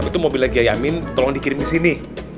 itu mobilnya gaya amin tolong dikirim ke sini